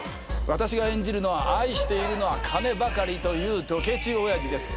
私が演じるのは愛しているのは金ばかりというドケチ親父です